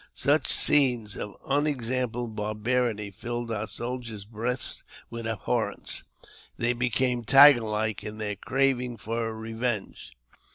Such scenes of unexampled barbarity filled our soldiers' breasts with abhorrence : they became tiger like in their craving for revenge.